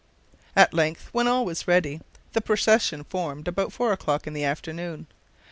At length, when all was ready, the procession formed about four o'clock in the afternoon.